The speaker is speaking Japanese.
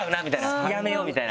やめようみたいな。